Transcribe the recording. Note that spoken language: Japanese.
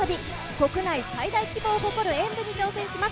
国内最大規模を誇る炎舞に挑戦します。